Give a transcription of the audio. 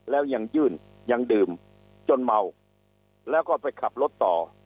แล้วยังยื่นยังดื่มจนเมาแล้วก็ไปขับรถต่อ